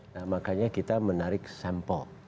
nah makanya kita menarik sampel